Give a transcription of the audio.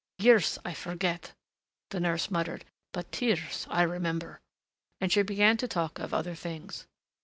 "Years I forget," the nurse muttered, "but tears I remember," and she began to talk of other things.